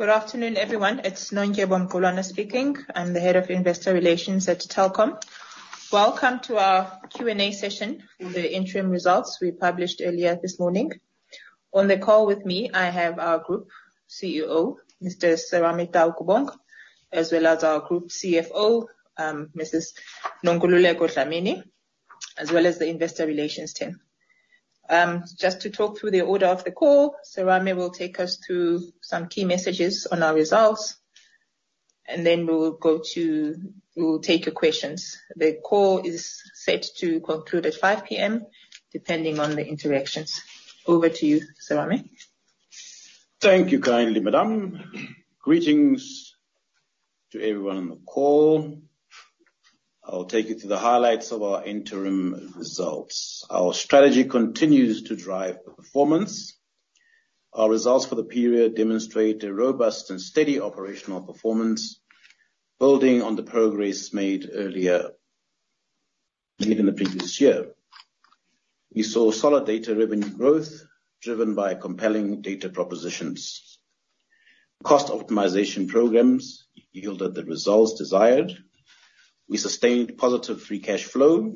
Good afternoon, everyone. It's Nondyebo Mqulwana speaking. I'm the head of investor relations at Telkom. Welcome to our Q&A session for the interim results we published earlier this morning. On the call with me, I have our Group CEO, Mr. Serame Taukobong, as well as our Group CFO, Mrs. Nonkululeko Dlamini, as well as the investor relations team. Just to talk through the order of the call, Serame will take us through some key messages on our results, and then we'll go to—we'll take your questions. The call is set to conclude at 5:00 P.M., depending on the interactions. Over to you, Serame. Thank you kindly, madam. Greetings to everyone on the call. I'll take you through the highlights of our interim results. Our strategy continues to drive performance. Our results for the period demonstrate a robust and steady operational performance, building on the progress made earlier in the previous year. We saw solid data revenue growth driven by compelling data propositions. Cost optimization programs yielded the results desired. We sustained positive free cash flow.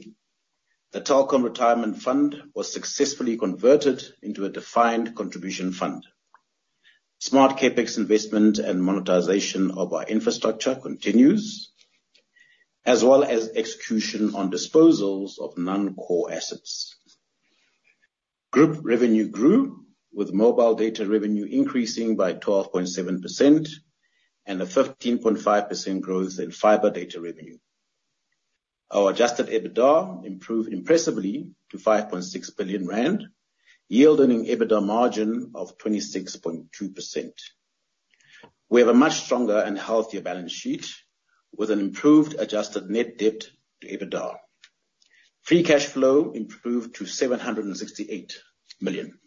The Telkom Retirement Fund was successfully converted into a defined contribution fund. Smart Capex investment and monetization of our infrastructure continues, as well as execution on disposals of non-core assets. Group revenue grew, with mobile data revenue increasing by 12.7% and a 15.5% growth in fiber data revenue. Our adjusted EBITDA improved impressively to 5.6 billion rand, yielding an EBITDA margin of 26.2%. We have a much stronger and healthier balance sheet, with an improved adjusted net debt to EBITDA. Free cash flow improved to 768 million.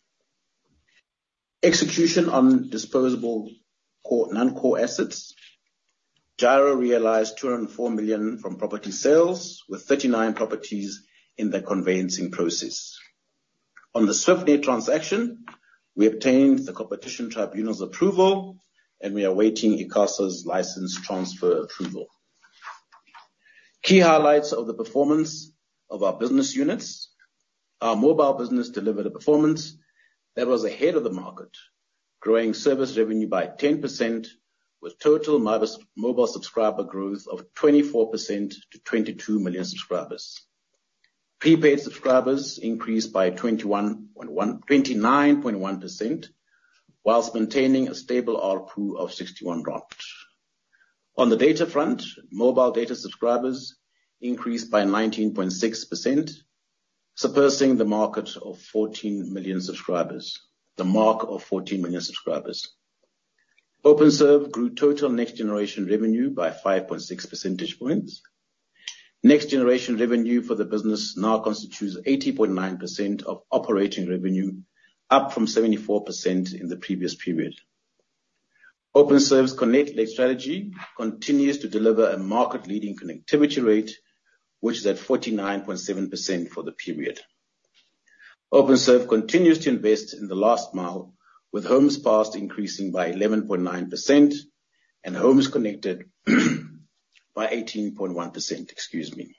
Execution on disposable non-core assets. Gyro realized 204 million from property sales, with 39 properties in the conveyancing process. On the Swiftnet transaction, we obtained the Competition Tribunal's approval, and we are awaiting ICASA's license transfer approval. Key highlights of the performance of our business units: our mobile business delivered a performance that was ahead of the market, growing service revenue by 10%, with total mobile subscriber growth of 24% to 22 million subscribers. Prepaid subscribers increased by 29.1%, while maintaining a stable ARPU of 61 rand. On the data front, mobile data subscribers increased by 19.6%, surpassing the market of 14 million subscribers, the mark of 14 million subscribers. Openserve grew total Next Generation Revenue by 5.6 percentage points. Next Generation Revenue for the business now constitutes 80.9% of operating revenue, up from 74% in the previous period. Openserve's Connect Led strategy continues to deliver a market-leading connectivity rate, which is at 49.7% for the period. Openserve continues to invest in the last mile, with homes passed increasing by 11.9% and homes connected by 18.1%. Excuse me.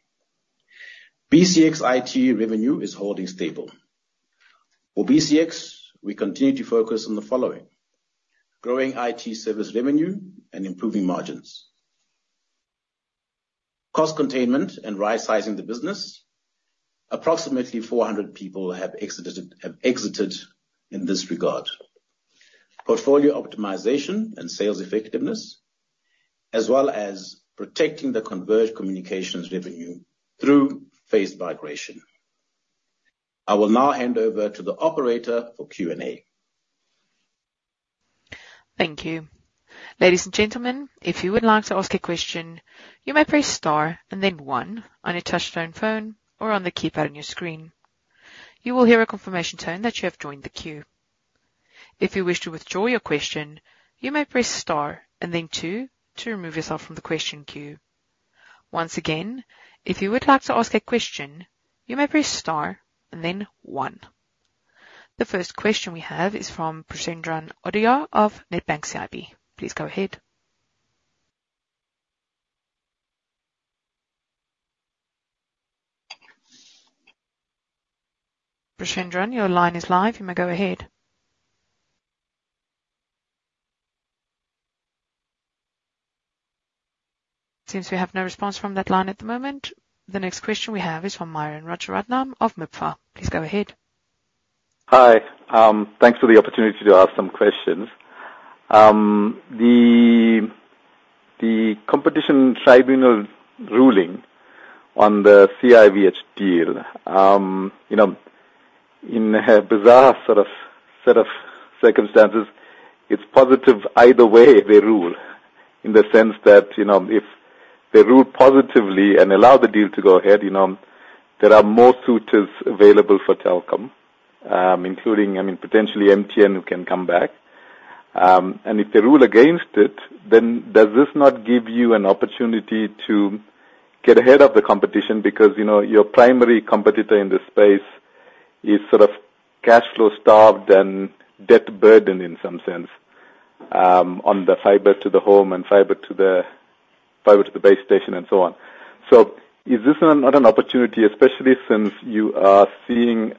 BCX IT revenue is holding stable. For BCX, we continue to focus on the following: growing IT service revenue and improving margins, cost containment and right-sizing the business. Approximately 400 people have exited in this regard. Portfolio optimization and sales effectiveness, as well as protecting the converged communications revenue through phased migration. I will now hand over to the operator for Q&A. Thank you. Ladies and gentlemen, if you would like to ask a question, you may press star and then one on your touch-tone phone or on the keypad on your screen. You will hear a confirmation tone that you have joined the queue. If you wish to withdraw your question, you may press star and then two to remove yourself from the question queue. Once again, if you would like to ask a question, you may press star and then one. The first question we have is from Preshendran Odayar of Nedbank CIB. Please go ahead. Preshendran, your line is live. You may go ahead. Since we have no response from that line at the moment, the next question we have is from Myron Rajaratnam of MIPF. Please go ahead. Hi. Thanks for the opportunity to ask some questions. The Competition Tribunal ruling on the CIVH deal, in a bizarre sort of set of circumstances, it's positive either way they rule, in the sense that if they rule positively and allow the deal to go ahead, there are more suitors available for Telkom, including, I mean, potentially MTN who can come back. And if they rule against it, then does this not give you an opportunity to get ahead of the competition? Because your primary competitor in this space is sort of cash flow-starved and debt burdened in some sense on the fiber to the home and fiber to the base station and so on. So is this not an opportunity, especially since you are seeing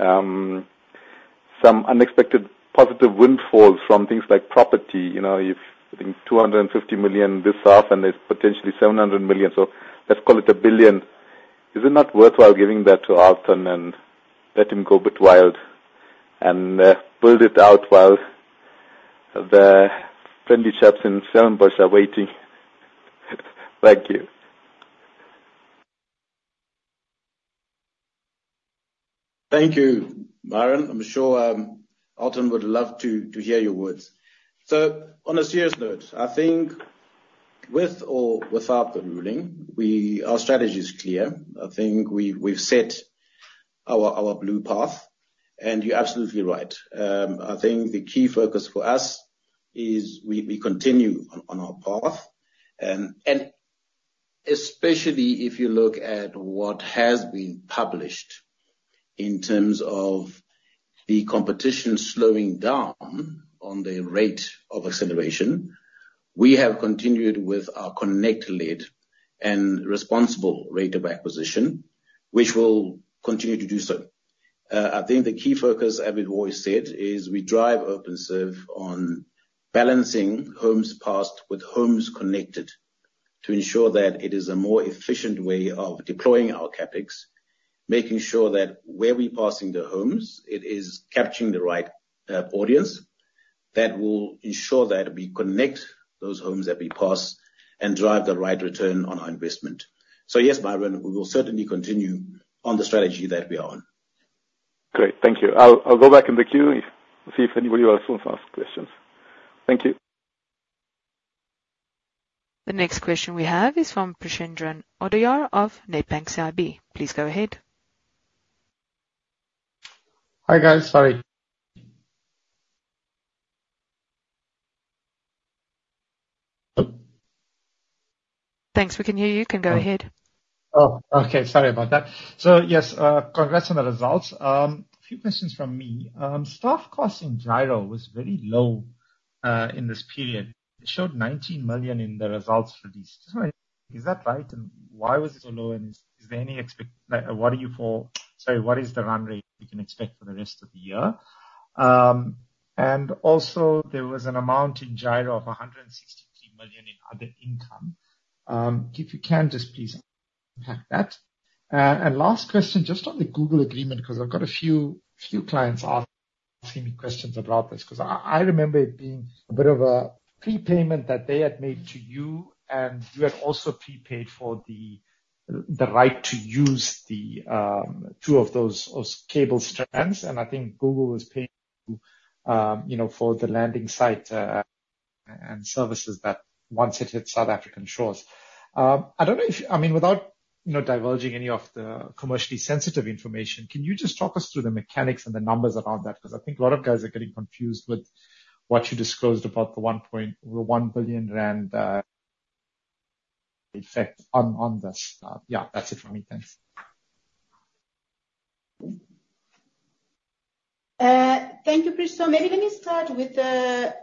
some unexpected positive windfalls from things like property? I think 250 million this half, and there's potentially 700 million. So let's call it 1 billion. Is it not worthwhile giving that to Althon and let him go a bit wild and build it out while the friendly chaps in Stellenbosch are waiting? Thank you. Thank you, Myron. I'm sure Althon would love to hear your words. On a serious note, I think with or without the ruling, our strategy is clear. I think we've set our blue path, and you're absolutely right. I think the key focus for us is we continue on our path. And especially if you look at what has been published in terms of the competition slowing down on the rate of acceleration, we have continued with our Connect Led and responsible rate of acquisition, which will continue to do so. I think the key focus, as we've always said, is we drive Openserve on balancing homes passed with homes connected to ensure that it is a more efficient way of deploying our CapEx, making sure that where we're passing the homes, it is capturing the right audience that will ensure that we connect those homes that we pass and drive the right return on our investment. So yes, Myron, we will certainly continue on the strategy that we are on. Great. Thank you. I'll go back in the queue and see if anybody else wants to ask questions. Thank you. The next question we have is from Preshendran Odayar of Nedbank CIB. Please go ahead. Hi, guys. Sorry. Thanks. We can hear you. You can go ahead. Oh, okay. Sorry about that. So yes, congrats on the results. A few questions from me. Staff cost in Gyro was very low in this period. It showed 19 million in the results for these. Is that right? And why was it so low? And is there any expectation? What are you for? Sorry, what is the run rate we can expect for the rest of the year? And also, there was an amount in Gyro of 163 million in other income. If you can, just please unpack that. And last question, just on the Google agreement, because I've got a few clients asking me questions about this, because I remember it being a bit of a prepayment that they had made to you, and you had also prepaid for the right to use two of those cable strands. I think Google was paying for the landing site and services that once it hit South African shores. I don't know if, I mean, without diverging any of the commercially sensitive information, can you just talk us through the mechanics and the numbers around that? Because I think a lot of guys are getting confused with what you disclosed about the 1.1 billion rand effect on this. Yeah, that's it from me. Thanks. Thank you, Preshen. Maybe let me start with the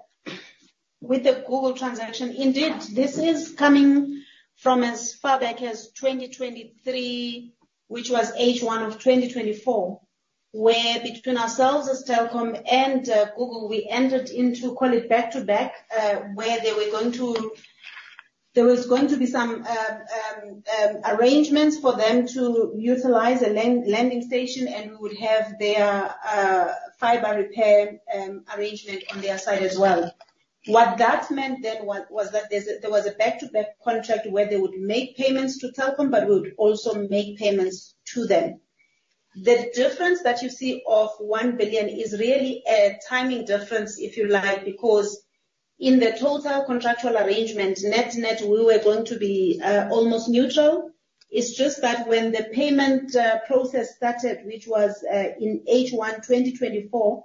Google transaction. Indeed, this is coming from as far back as 2023, which was H1 of 2024, where between ourselves as Telkom and Google, we entered into, call it back-to-back, where there were going to be some arrangements for them to utilize a landing station, and we would have their fiber repair arrangement on their side as well. What that meant then was that there was a back-to-back contract where they would make payments to Telkom, but we would also make payments to them. The difference that you see of 1 billion is really a timing difference, if you like, because in the total contractual arrangement, net net, we were going to be almost neutral. It's just that when the payment process started, which was in H1 2024,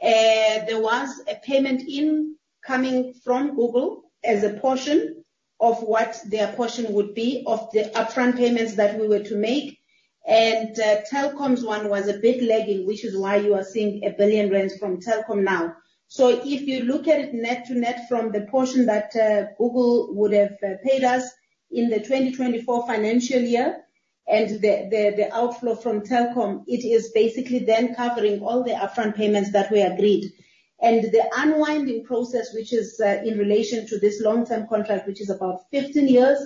there was a payment incoming from Google as a portion of what their portion would be of the upfront payments that we were to make. And Telkom's one was a bit lagging, which is why you are seeing 1 billion rand from Telkom now. So if you look at it net to net from the portion that Google would have paid us in the 2024 financial year and the outflow from Telkom, it is basically then covering all the upfront payments that we agreed. And the unwinding process, which is in relation to this long-term contract, which is about 15 years,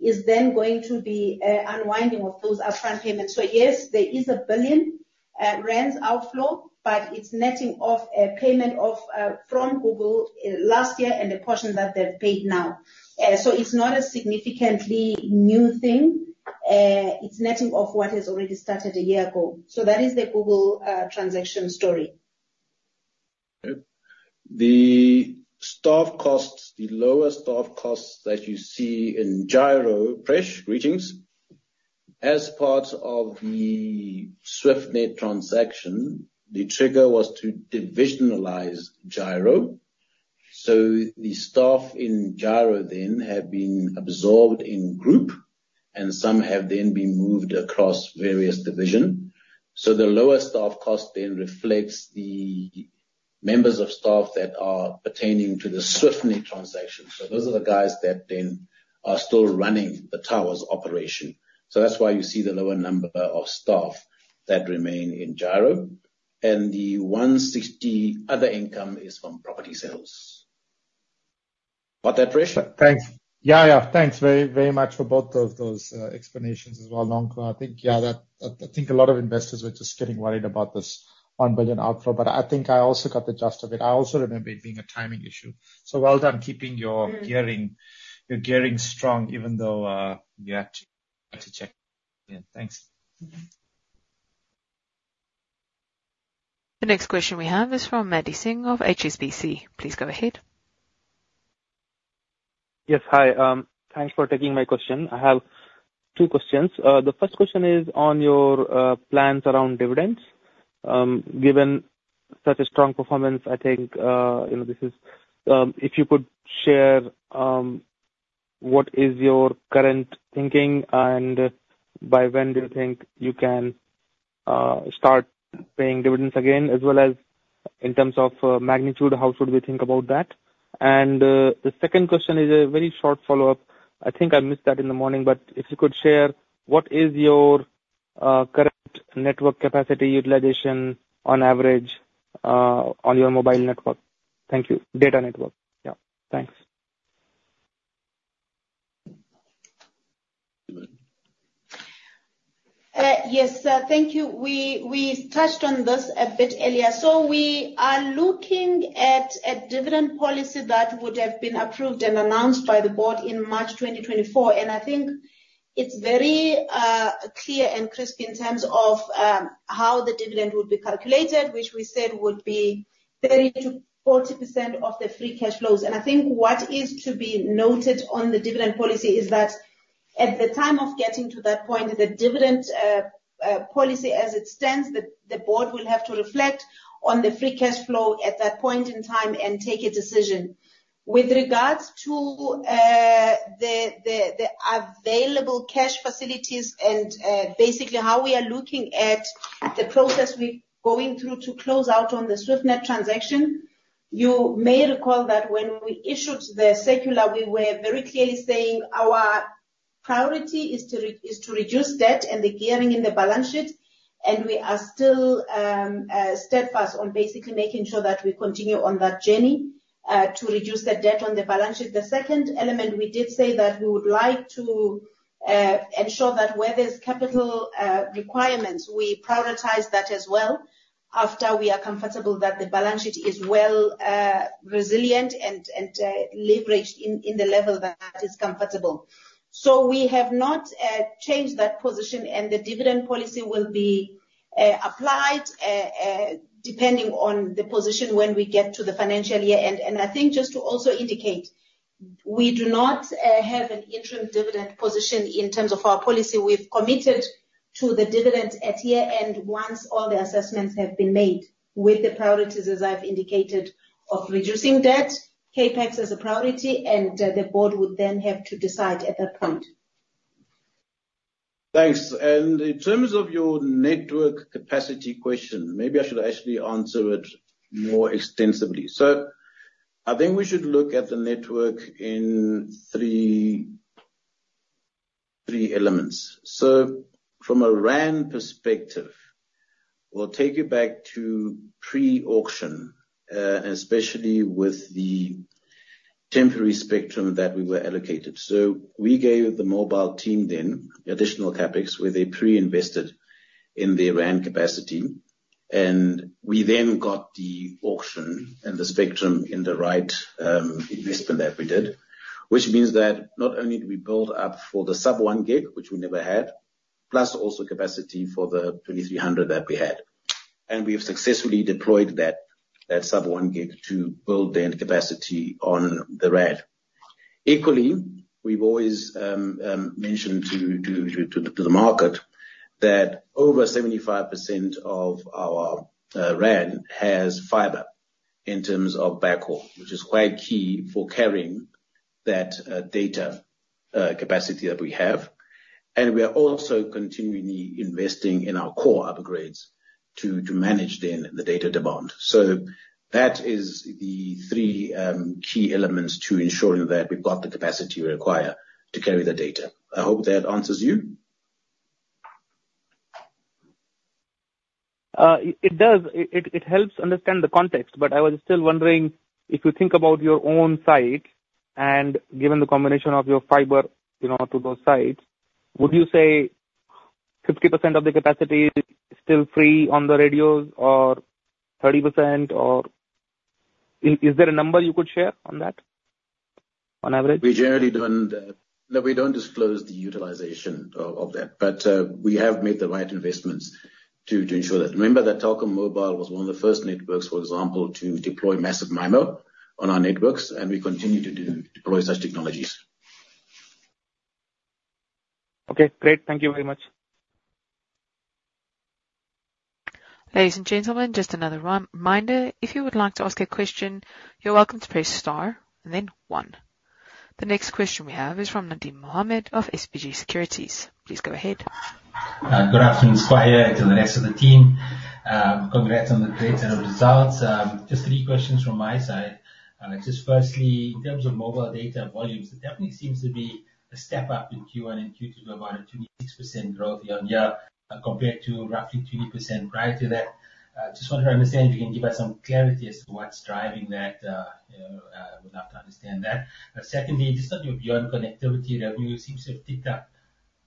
is then going to be an unwinding of those upfront payments. So yes, there is a 1 billion rand outflow, but it's netting off a payment from Google last year and the portion that they've paid now. So it's not a significantly new thing. It's netting off what has already started a year ago. So that is the Google transaction story. The staff costs, the lower staff costs that you see in Gyro, Presh, greetings. As part of the Swiftnet transaction, the trigger was to divisionalize Gyro. So the staff in Gyro then have been absorbed in group, and some have then been moved across various divisions. So the lower staff cost then reflects the members of staff that are pertaining to the Swiftnet transaction. So those are the guys that then are still running the towers operation. So that's why you see the lower number of staff that remain in Gyro. And the 160 other income is from property sales. Got that, Presh? Thanks. Yeah, yeah. Thanks very, very much for both of those explanations as well, Nonkululeko. I think, yeah, I think a lot of investors were just getting worried about this 1 billion outflow, but I think I also got the gist of it. I also remember it being a timing issue. So well done keeping your gearing strong, even though you had to check. Yeah, thanks. The next question we have is from Madhvendra Singh of HSBC. Please go ahead. Yes, hi. Thanks for taking my question. I have two questions. The first question is on your plans around dividends. Given such a strong performance, I think this is if you could share what is your current thinking and by when do you think you can start paying dividends again, as well as in terms of magnitude, how should we think about that? And the second question is a very short follow-up. I think I missed that in the morning, but if you could share what is your current network capacity utilization on average on your mobile network? Thank you. Data network. Yeah. Thanks. Yes, thank you. We touched on this a bit earlier. We are looking at a dividend policy that would have been approved and announced by the board in March 2024. I think it's very clear and crisp in terms of how the dividend would be calculated, which we said would be 30%-40% of the free cash flows. I think what is to be noted on the dividend policy is that at the time of getting to that point, the dividend policy as it stands, the board will have to reflect on the free cash flow at that point in time and take a decision. With regards to the available cash facilities and basically how we are looking at the process we're going through to close out on the Swiftnet transaction, you may recall that when we issued the circular, we were very clearly saying our priority is to reduce debt and the gearing in the balance sheet, and we are still steadfast on basically making sure that we continue on that journey to reduce the debt on the balance sheet. The second element, we did say that we would like to ensure that where there's capital requirements, we prioritize that as well after we are comfortable that the balance sheet is well resilient and leveraged in the level that is comfortable. So we have not changed that position, and the dividend policy will be applied depending on the position when we get to the financial year end. I think just to also indicate, we do not have an interim dividend position in terms of our policy. We've committed to the dividend at year end once all the assessments have been made with the priorities, as I've indicated, of reducing debt, CapEx as a priority, and the board would then have to decide at that point. Thanks. And in terms of your network capacity question, maybe I should actually answer it more extensively. So I think we should look at the network in three elements. So from a RAN perspective, we'll take you back to pre-auction, especially with the temporary spectrum that we were allocated. So we gave the mobile team then additional CapEx where they pre-invested in the RAN capacity. And we then got the auction and the spectrum in the right investment that we did, which means that not only did we build up for the sub-1 gig, which we never had, plus also capacity for the 2300 that we had. And we have successfully deployed that sub-1 gig to build then capacity on the RAN. Equally, we've always mentioned to the market that over 75% of our RAN has fiber in terms of backhaul, which is quite key for carrying that data capacity that we have. And we are also continuing the investing in our core upgrades to manage then the data demand. So that is the three key elements to ensuring that we've got the capacity required to carry the data. I hope that answers you. It does. It helps understand the context, but I was still wondering if you think about your own site and given the combination of your fiber to those sites, would you say 50% of the capacity is still free on the radios or 30%? Or is there a number you could share on that on average? We generally don't disclose the utilization of that, but we have made the right investments to ensure that. Remember that Telkom Mobile was one of the first networks, for example, to deploy massive MIMO on our networks, and we continue to deploy such technologies. Okay. Great. Thank you very much. Ladies and gentlemen, just another reminder. If you would like to ask a question, you're welcome to press star and then one. The next question we have is from Nadim Mohamed of SBG Securities. Please go ahead. Good afternoon, Serame, to the rest of the team. Congrats on the great set of results. Just three questions from my side. Just firstly, in terms of mobile data volumes, it definitely seems to be a step up in Q1 and Q2 to about a 26% growth year on year compared to roughly 20% prior to that. Just wanted to understand if you can give us some clarity as to what's driving that. We'd love to understand that. Secondly, just on your beyond connectivity revenue, it seems to have ticked up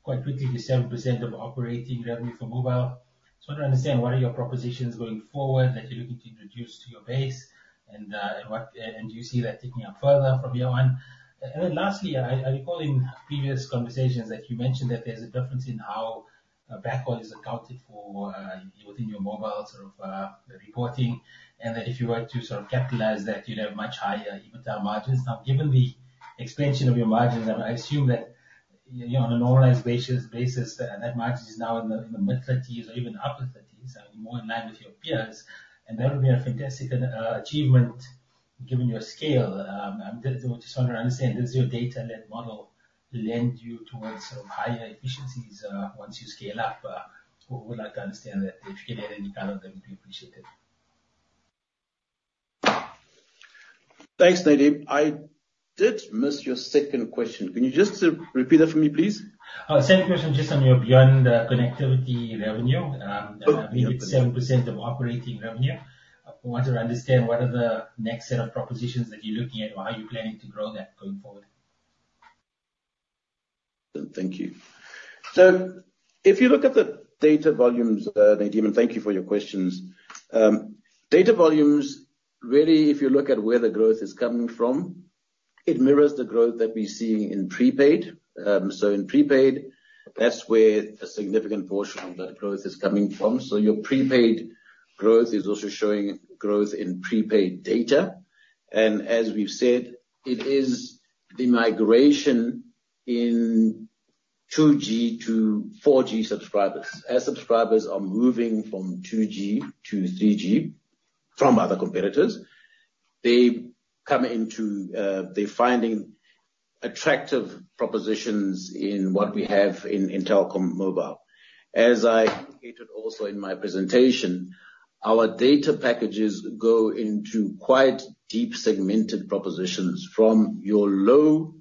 quite quickly to 7% of operating revenue for mobile. Just want to understand what are your propositions going forward that you're looking to introduce to your base? And do you see that ticking up further from year one? Then lastly, I recall in previous conversations that you mentioned that there's a difference in how backhaul is accounted for within your mobile sort of reporting, and that if you were to sort of capitalize that, you'd have much higher EBITDA margins. Now, given the expansion of your margins, I assume that on a normalized basis, that margin is now in the mid-30s or even upper 30s, more in line with your peers. That would be a fantastic achievement given your scale. I just want to understand, does your data-led model lend you towards sort of higher efficiencies once you scale up? We'd like to understand that. If you can add any kind of that, it would be appreciated. Thanks, Nadim. I did miss your second question. Can you just repeat that for me, please? Oh, second question just on your beyond connectivity revenue. I believe it's 7% of operating revenue. I want to understand what are the next set of propositions that you're looking at or how you're planning to grow that going forward. Thank you. So if you look at the data volumes, Nadim, and thank you for your questions. Data volumes, really, if you look at where the growth is coming from, it mirrors the growth that we're seeing in prepaid. So in prepaid, that's where a significant portion of that growth is coming from. So your prepaid growth is also showing growth in prepaid data. And as we've said, it is the migration in 2G to 4G subscribers. As subscribers are moving from 2G to 3G from other competitors, they're finding attractive propositions in what we have in Telkom Mobile. As I indicated also in my presentation, our data packages go into quite deep segmented propositions from your low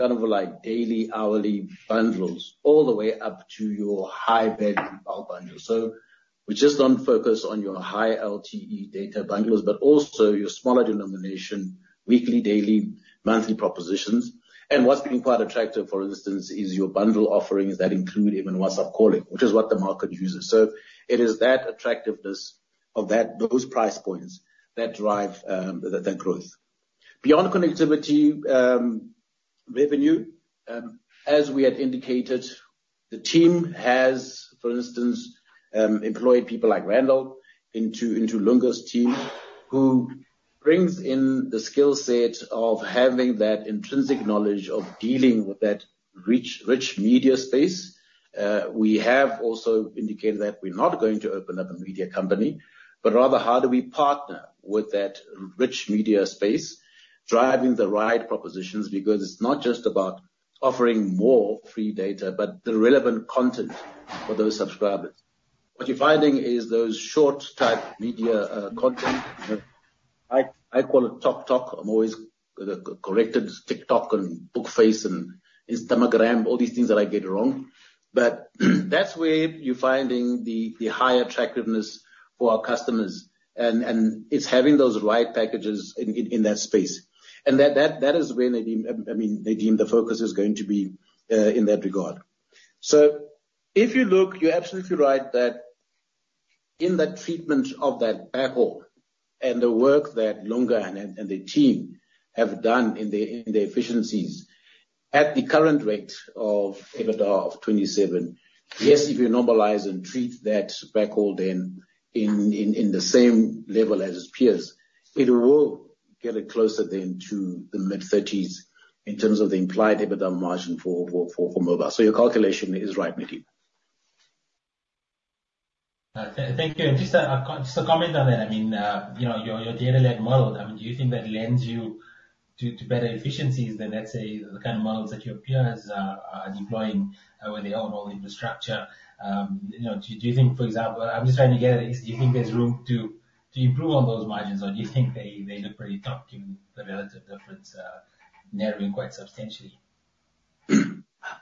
kind of daily, hourly bundles all the way up to your high-end mobile bundles. We just don't focus on your high LTE data bundles, but also your smaller denomination, weekly, daily, monthly propositions. What's been quite attractive, for instance, is your bundle offerings that include even WhatsApp calling, which is what the market uses. It is that attractiveness of those price points that drive that growth. Beyond connectivity revenue, as we had indicated, the team has, for instance, employed people like Randall into Lunga Siyo's team, who brings in the skill set of having that intrinsic knowledge of dealing with that rich media space. We have also indicated that we're not going to open up a media company, but rather how do we partner with that rich media space, driving the right propositions because it's not just about offering more free data, but the relevant content for those subscribers. What you're finding is those short-type media content. I call it TikTok. I'm always corrected, TikTok and Bookface and Instagram, all these things that I get wrong. But that's where you're finding the high attractiveness for our customers. And it's having those right packages in that space. And that is where, Nadim, I mean, Nadim, the focus is going to be in that regard. So if you look, you're absolutely right that in the treatment of that backhaul and the work that Lunga Siyo and the team have done in the efficiencies at the current rate of EBITDA of 27%, yes, if you normalize and treat that backhaul then in the same level as its peers, it will get it closer then to the mid-30's in terms of the implied EBITDA margin for mobile. So your calculation is right, Nadim. Thank you. Just a comment on that. I mean, your data-led model, I mean, do you think that lends you to better efficiencies than, let's say, the kind of models that your peers are deploying with their own old infrastructure? Do you think, for example, I'm just trying to get at this, do you think there's room to improve on those margins, or do you think they look pretty tough given the relative difference narrowing quite substantially?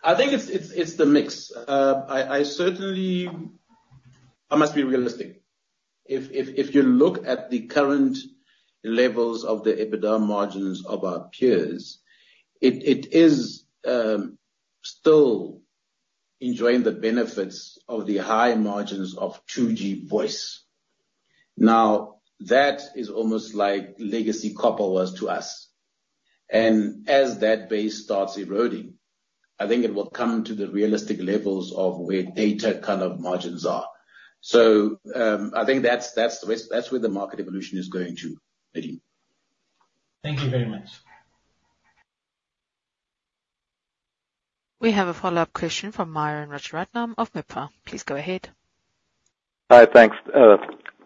I think it's the mix. I must be realistic. If you look at the current levels of the EBITDA margins of our peers, it is still enjoying the benefits of the high margins of 2G voice. Now, that is almost like legacy copper was to us. And as that base starts eroding, I think it will come to the realistic levels of where data kind of margins are. So I think that's where the market evolution is going to, Nadim. Thank you very much. We have a follow-up question from Myron Rajaratnam of MIPF. Please go ahead. Hi, thanks.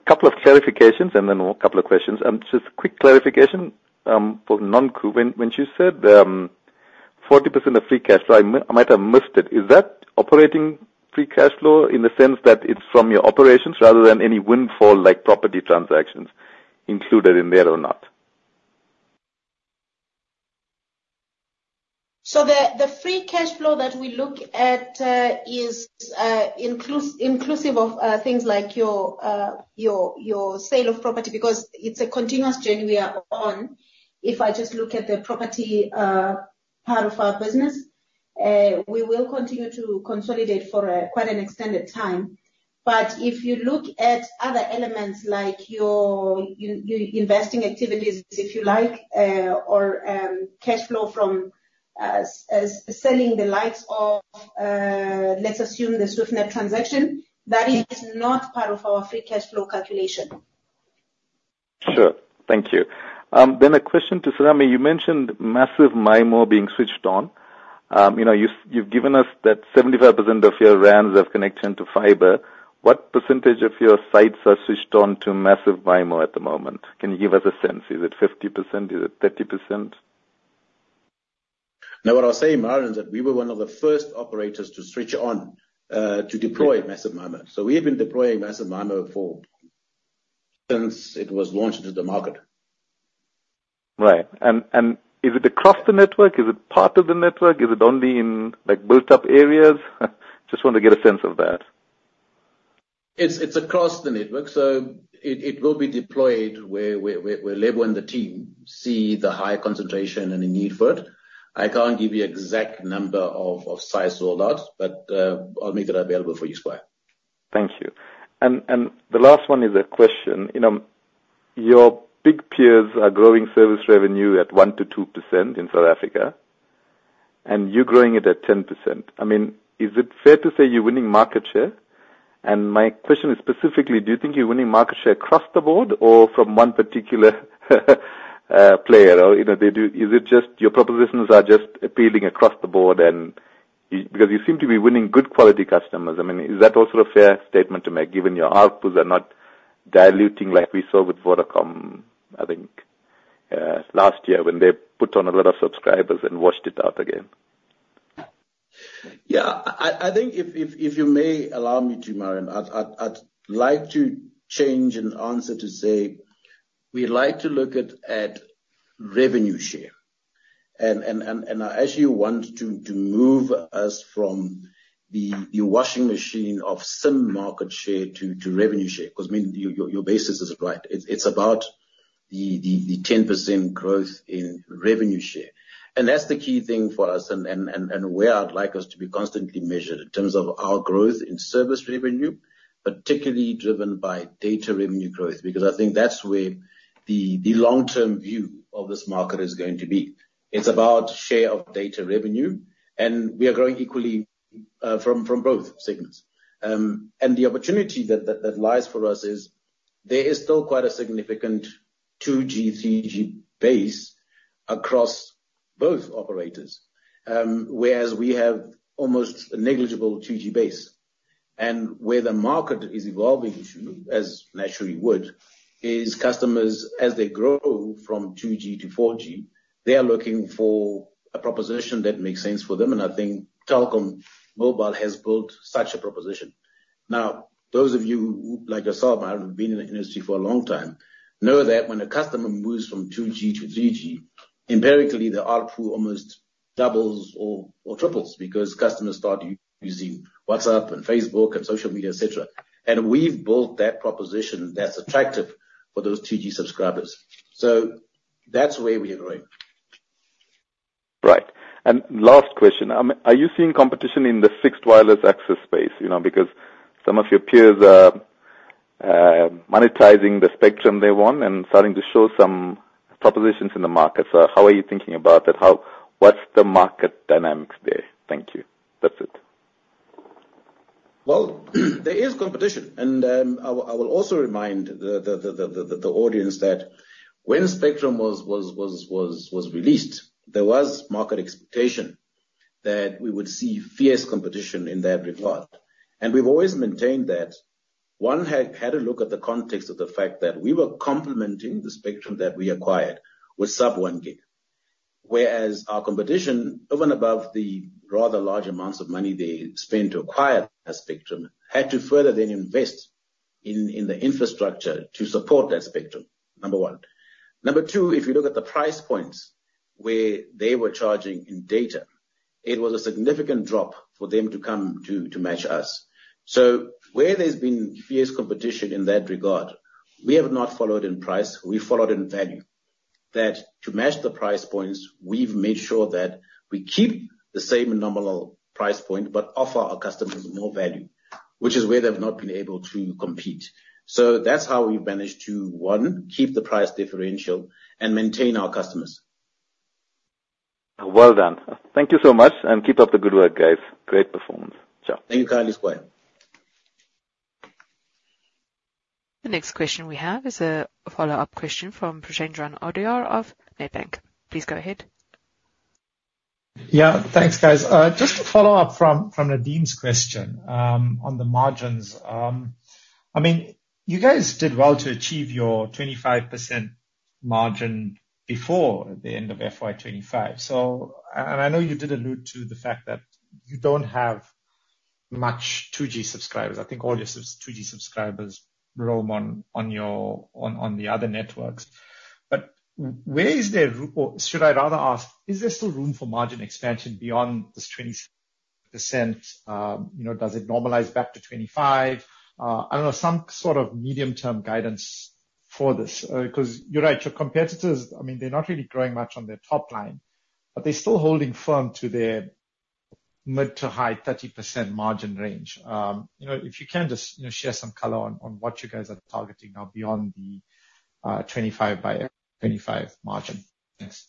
A couple of clarifications and then a couple of questions. Just a quick clarification for Nonq. When she said 40% of free cash flow, I might have missed it. Is that operating free cash flow in the sense that it's from your operations rather than any windfall-like property transactions included in there or not? So the Free Cash Flow that we look at is inclusive of things like your sale of property because it's a continuous journey we are on. If I just look at the property part of our business, we will continue to consolidate for quite an extended time. But if you look at other elements like your investing activities, if you like, or cash flow from selling the likes of, let's assume, the Swiftnet transaction, that is not part of our Free Cash Flow calculation. Sure. Thank you. Then a question to Serame. You mentioned Massive MIMO being switched on. You've given us that 75% of your RANs have connection to fiber. What percentage of your sites are switched on to Massive MIMO at the moment? Can you give us a sense? Is it 50%? Is it 30%? Now, what I'll say, Myron, is that we were one of the first operators to switch on to deploy Massive MIMO. So we have been deploying Massive MIMO since it was launched into the market. Right. And is it across the network? Is it part of the network? Is it only in built-up areas? Just want to get a sense of that. It's across the network. So it will be deployed where labor in the team see the high concentration and the need for it. I can't give you an exact number of sites rolled out, but I'll make that available for you, Sir. Thank you. And the last one is a question. Your big peers are growing service revenue at 1%-2% in South Africa, and you're growing it at 10%. I mean, is it fair to say you're winning market share? And my question is specifically, do you think you're winning market share across the board or from one particular player? Is it just your propositions are just appealing across the board? Because you seem to be winning good quality customers. I mean, is that also a fair statement to make given your outputs are not diluting like we saw with Vodacom, I think, last year when they put on a lot of subscribers and washed it out again? Yeah. I think if you may allow me to, Myron, I'd like to change and answer to say we'd like to look at revenue share. And as you want to move us from the washing machine of some market share to revenue share, because your basis is right, it's about the 10% growth in revenue share. And that's the key thing for us and where I'd like us to be constantly measured in terms of our growth in service revenue, particularly driven by data revenue growth, because I think that's where the long-term view of this market is going to be. It's about share of data revenue, and we are growing equally from both segments. And the opportunity that lies for us is there is still quite a significant 2G, 3G base across both operators, whereas we have almost a negligible 2G base. And where the market is evolving, as naturally would, is customers as they grow from 2G to 4G, they are looking for a proposition that makes sense for them. And I think Telkom Mobile has built such a proposition. Now, those of you like yourself, Myron, who've been in the industry for a long time, know that when a customer moves from 2G to 3G, empirically, the output almost doubles or triples because customers start using WhatsApp and Facebook and social media, etc. And we've built that proposition that's attractive for those 2G subscribers. So that's where we are growing. Right. And last question. Are you seeing competition in the fixed wireless access space? Because some of your peers are monetizing the spectrum they want and starting to show some propositions in the market. So how are you thinking about that? What's the market dynamics there? Thank you. That's it. Well, there is competition. I will also remind the audience that when Spectrum was released, there was market expectation that we would see fierce competition in that regard. We've always maintained that. One had to look at the context of the fact that we were complementing the Spectrum that we acquired with sub-1 GHz, whereas our competition, even above the rather large amounts of money they spent to acquire that Spectrum, had to further then invest in the infrastructure to support that Spectrum, number one. Number two, if you look at the price points where they were charging in data, it was a significant drop for them to come to match us. So where there's been fierce competition in that regard, we have not followed in price. We followed in value. That to match the price points, we've made sure that we keep the same nominal price point but offer our customers more value, which is where they've not been able to compete. So that's how we've managed to, one, keep the price differential and maintain our customers. Well done. Thank you so much. And keep up the good work, guys. Great performance. Ciao. Thank you, Kyle and Myron. The next question we have is a follow-up question from Preshendran Odayar of Nedbank. Please go ahead. Yeah. Thanks, guys. Just a follow-up from Nadim's question on the margins. I mean, you guys did well to achieve your 25% margin before the end of FY25. And I know you did allude to the fact that you don't have much 2G subscribers. I think all your 2G subscribers roam on the other networks. But where is there room for, should I rather ask, is there still room for margin expansion beyond this 20%? Does it normalize back to 25%? I don't know, some sort of medium-term guidance for this? Because you're right, your competitors, I mean, they're not really growing much on their top line, but they're still holding firm to their mid- to high-30% margin range. If you can just share some color on what you guys are targeting now beyond the 25% by 25 margin. Thanks.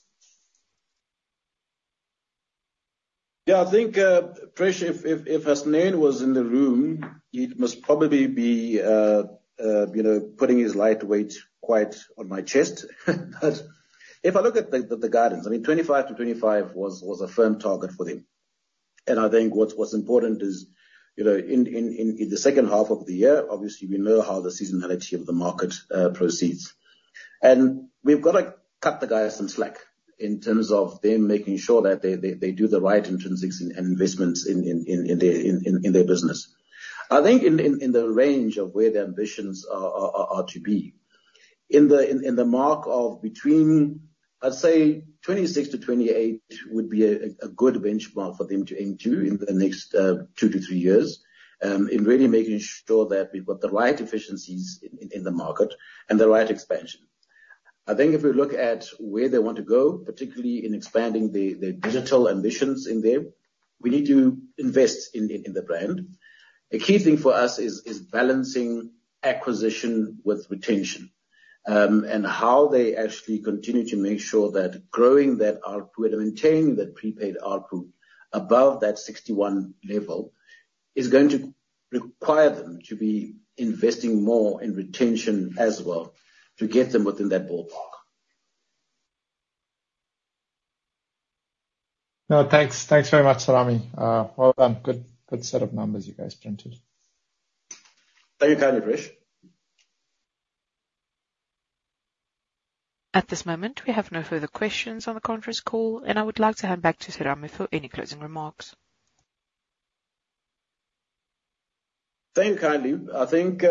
Yeah. I think, Presh, if Hasnain was in the room, he'd most probably be putting his lightweight quite on my chest. But if I look at the guidance, I mean, 25-25 was a firm target for them. I think what's important is in the second half of the year, obviously, we know how the seasonality of the market proceeds. We've got to cut the guys some slack in terms of them making sure that they do the right intrinsics and investments in their business. I think in the range of where their ambitions are to be, in the mark of between, I'd say, 26-28 would be a good benchmark for them to aim to in the next two to three years in really making sure that we've got the right efficiencies in the market and the right expansion. I think if we look at where they want to go, particularly in expanding their digital ambitions in there, we need to invest in the brand. A key thing for us is balancing acquisition with retention and how they actually continue to make sure that growing that output and maintaining that prepaid output above that 61 level is going to require them to be investing more in retention as well to get them within that ballpark. No, thanks. Thanks very much, Serame. Well done. Good set of numbers you guys printed. Thank you, Kyle and Presh. At this moment, we have no further questions on the conference call, and I would like to hand back to Serame for any closing remarks. Thank you, Kyle. I think,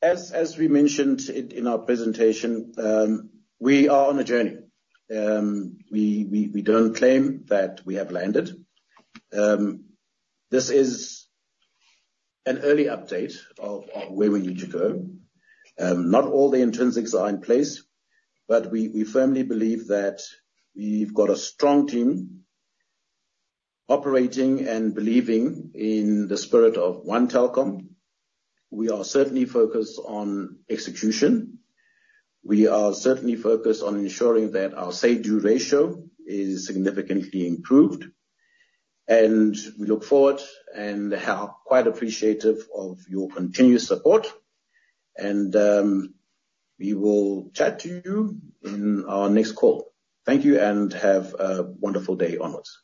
as we mentioned in our presentation, we are on a journey. We don't claim that we have landed. This is an early update of where we need to go. Not all the intrinsics are in place, but we firmly believe that we've got a strong team operating and believing in the spirit of One Telkom. We are certainly focused on execution. We are certainly focused on ensuring that our say-do ratio is significantly improved. We look forward and are quite appreciative of your continued support. We will chat to you in our next call. Thank you and have a wonderful day onwards.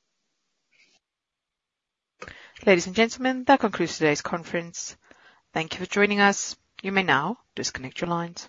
Ladies and gentlemen, that concludes today's conference. Thank you for joining us. You may now disconnect your lines.